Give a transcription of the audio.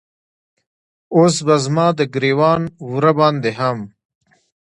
اوس به زما د ګریوان وره باندې هم